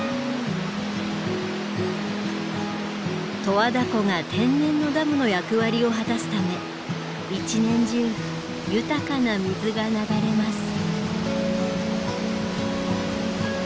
十和田湖が天然のダムの役割を果たすため一年中豊かな水が流れます。